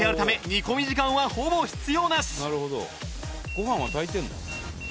ご飯は炊いてるの？